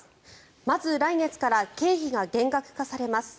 まず来月から経費が厳格化されます。